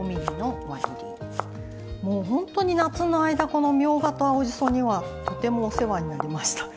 もう本当に夏の間はみょうがと青じそにはとてもお世話になりました。